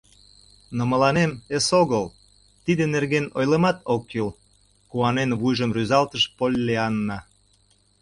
— Но мыланем эсогыл тидын нерген ойлымат ок кӱл, — куанен вуйжым рӱзалтыш Поллианна.